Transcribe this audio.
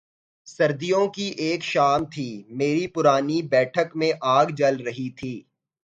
سردیوں کی ایک شام تھی، میری پرانی بیٹھک میں آگ جل رہی تھی۔